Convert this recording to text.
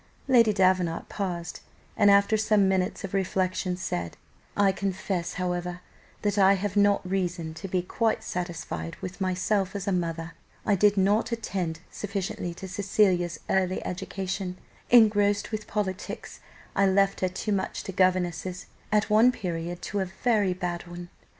Lady Davenant paused, and after some minutes of reflection said, "I confess, however, that I have not reason to be quite satisfied with myself as a mother; I did not attend sufficiently to Cecilia's early education: engrossed with politics, I left her too much to governesses, at one period to a very bad one.